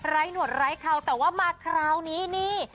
หนวดไร้เขาแต่ว่ามาคราวนี้นี่